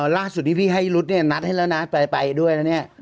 ล่าสุดที่พี่ให้รถนัดให้แล้วนะไปร้อนด้วยแล้วนี่